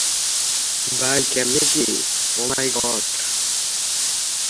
Timur সাগরের নিচে উল্লেখযোগ্য পরিমান তেল এবং গ্যাস রয়েছে।